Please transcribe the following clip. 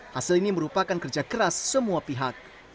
hasil ini merupakan kerja keras semua pihak